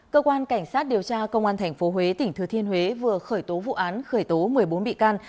cơ quan cảnh sát điều tra công an tp huế tỉnh thừa thiên huế vừa khởi tố vụ án khởi tố một mươi bốn bị can